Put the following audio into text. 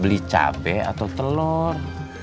beli capek atau telur